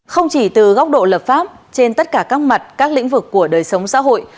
không chỉ từ góc độ lập pháp trên tất cả các mặt các lĩnh vực của đời sống xã hội